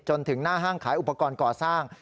จนถึงหน้าห้างขายอุปกรณ์ก่อสร้าง